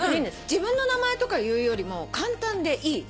自分の名前とか言うよりも簡単でいい。